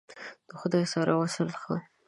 د خدای سره وصل ښه !